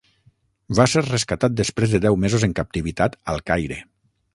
Va ser rescatat després de deu mesos en captivitat al Caire.